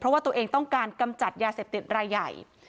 เพราะว่าตัวเองต้องการกำจัดยาเสพติดรายใหญ่